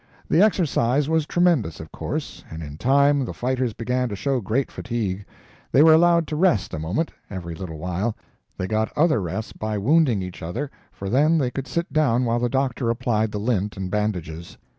The exercise was tremendous, of course, and in time the fighters began to show great fatigue. They were allowed to rest a moment, every little while; they got other rests by wounding each other, for then they could sit down while the doctor applied the lint and bandages.